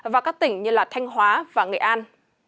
và các tỉnh như thanh hóa và nghệ an